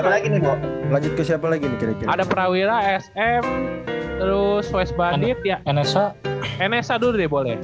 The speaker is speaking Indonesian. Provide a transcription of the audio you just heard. lagi nih lanjut ke siapa lagi ada prawira sm terus west bandit ya enesan enesan dulu deh boleh